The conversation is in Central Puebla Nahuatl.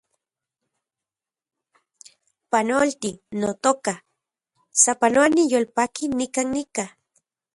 Panolti, notoka , sapanoa niyolpaki nikan nika